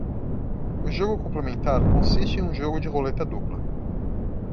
O jogo complementar consiste em um jogo de roleta dupla.